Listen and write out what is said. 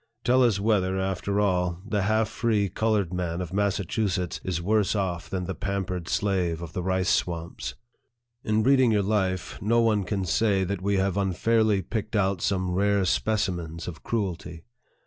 Tell us whether, after all, the half free colored man of Massachusetts is worse off than the pampered clave of the rice swamps ! In reading your life, no one can say that we have LETTER FKOM WENDELL PHILLIPS, ESQ. XY unfairly picked out some rare specimens of cruelty.